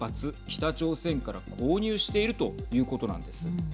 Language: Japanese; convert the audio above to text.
北朝鮮から購入しているということなんです。